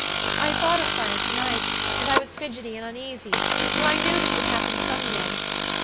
I thought of fire to night, and I was fidgety and uneasy, for I knew this would happen some day.